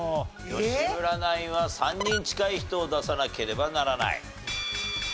吉村ナインは３人近い人を出さなければならない。